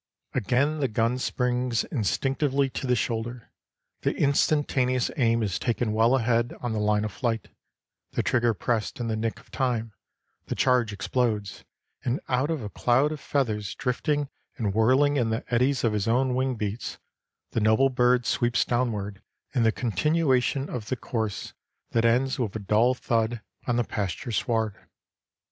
Again the gun springs instinctively to the shoulder, the instantaneous aim is taken well ahead on the line of flight, the trigger pressed in the nick of time, the charge explodes, and out of a cloud of feathers drifting and whirling in the eddies of his own wing beats, the noble bird sweeps downward in the continuation of the course that ends with a dull thud on the pasture sward.